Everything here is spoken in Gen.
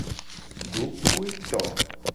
Dokoeto.